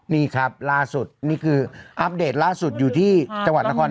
นี่ครับล่าสุดนี่คืออัปเดตล่าสุดอยู่ที่จังหวัดนคร